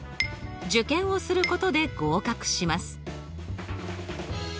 受験をすることで合格します。